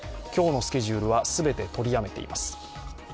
今日のスケジュールは全て取りやめています。